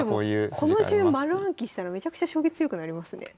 この順丸暗記したらめちゃくちゃ将棋強くなりますね。